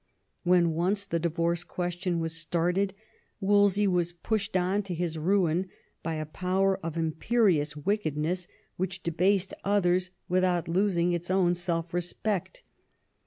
When once the divorce question was started Wolsey was pushed on to his ruin by a power of imperious wickedness which debased others without 21« THOMAS WOLSEY chap losing its own self respect.